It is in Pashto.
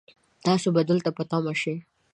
تاسو به دلته په تمه شئ